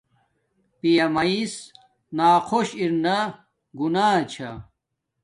پیامیس ناخوش ارنا گناہ چھا